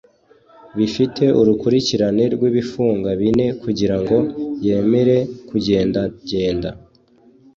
bifite urukurikirane rw'ibifunga bine kugirango yemere kugendagenda